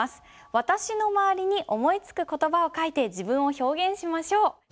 私の周りに思いつく言葉を書いて自分を表現しましょう。